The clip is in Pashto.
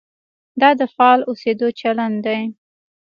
دا د فعال اوسېدو چلند دی.